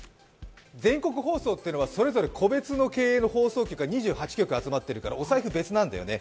全国放送っていうのはそれぞれ個別の放送局が２８局集まってるからお財布別なんだよね。